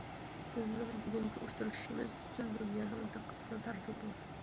بىزنىڭ بۈگۈنكى ئۇچرىشىشىمىز پۈتۈن دۇنيانىڭ دىققىتىنى تارتىدۇ.